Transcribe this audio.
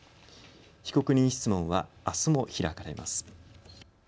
被告人質問は、あすも開かれます。